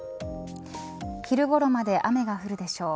昼ごろまで雨が降るでしょう。